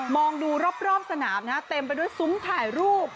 องดูรอบสนามนะเต็มไปด้วยซุ้มถ่ายรูป